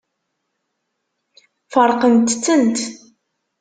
Feṛqent-tent.